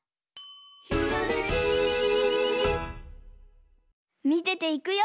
「ひらめき」みてていくよ。